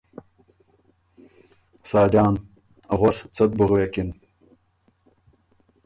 ساجان ـــ ”غؤس څۀ ت بُو غوېکِن“